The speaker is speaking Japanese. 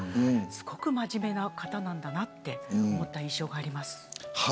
すごく真面目な方なんだなって思った印象があります。